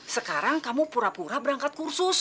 sekarang kamu pura pura berangkat kursus